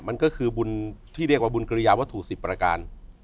มันก็คือบุญที่เรียกว่าบุญกริยาวัตถุ๑๐ประการ